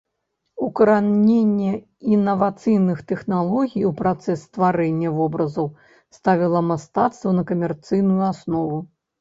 Укараненне інавацыйных тэхналогій у працэс стварэння вобразаў ставіла мастацтва на камерцыйную аснову.